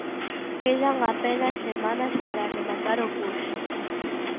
Quedan apenas semanas para rematar o curso.